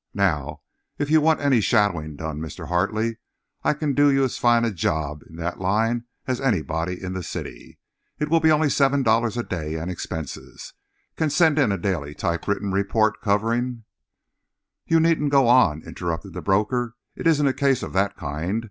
"Now, if you want any shadowing done, Mr. Hartley, I can do you as fine a job in that line as anybody in the city. It will be only $7 a day and expenses. Can send in a daily typewritten report, covering—" "You needn't go on," interrupted the broker. "It isn't a case of that kind.